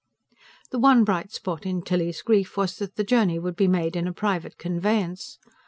The one bright spot in Tilly's grief was that the journey would be made in a private conveyance.